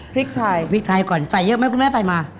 พริกไทยพริกไทยก่อนใส่เยอะไหมคุณแม่ใส่มา